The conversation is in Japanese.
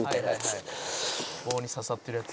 「棒に刺さってるやつ」